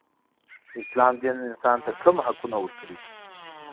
د اسلام دین انسان ته کوم حقونه ورکړي دي.